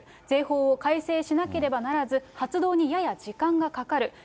税法を改正しなければならず、発動にやや時間がかかる。